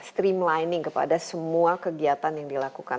streamlining kepada semua kegiatan yang dilakukan